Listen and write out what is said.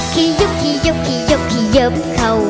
กล่าวอุธิศาล